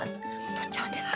とっちゃうんですか？